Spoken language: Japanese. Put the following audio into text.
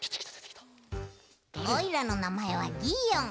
おいらのなまえはギーオン。